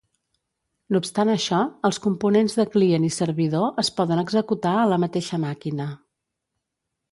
No obstant això, els components de client i servidor es poden executar a la mateixa màquina.